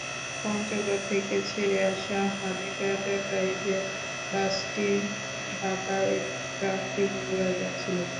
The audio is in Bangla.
পঞ্চগড় থেকে ছেড়ে আসা হানিফ এন্টারপ্রাইজের বাসটি ঢাকায় এবং ট্রাকটি বগুড়ায় যাচ্ছিল।